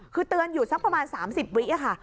คือเตือนอยู่สักประมาณ๓๐วิค่ะ